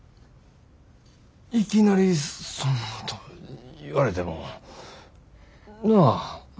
いきなりそんなこと言われてもなあ。